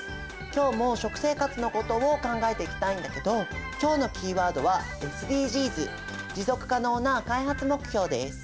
今日も食生活のことを考えていきたいんだけど今日のキーワードはＳＤＧｓ持続可能な開発目標です。